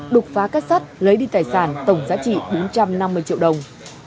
đục phá các sát lấy đi tài sản tổng giá trị bốn trăm năm mươi triệu đồng